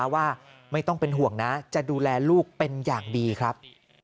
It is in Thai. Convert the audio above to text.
ว่าไม่ต้องเป็นห่วงนะจะดูแลลูกเป็นอย่างดีครับ